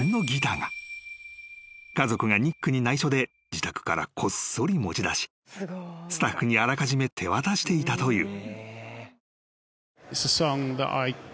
［家族がニックに内緒で自宅からこっそり持ち出しスタッフにあらかじめ手渡していたという］